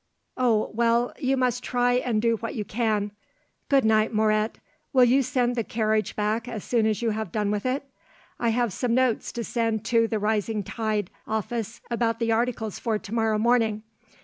"Oh, well, you must try and do what you can. Good night, Moret. Will you send the carriage back as soon as you have done with it? I have some notes to send to THE RISING TIDE office about the articles for to morrow morning.